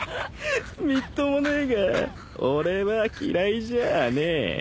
みっともねえが俺は嫌いじゃねえ。